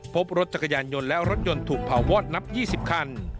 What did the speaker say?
พบรถจักรยานยนต์และรถยนต์ถูกเผาวอดนับ๒๐คัน